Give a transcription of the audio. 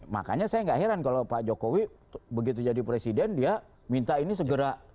makanya saya gak heran kalau pak jokowi begitu jadi presiden dia minta ini segera